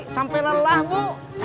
sampai lelah bu